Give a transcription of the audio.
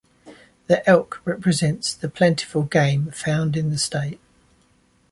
The elk represents the plentiful game found in the state.